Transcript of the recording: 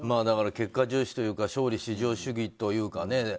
だから結果重視というか勝利至上主義というかね。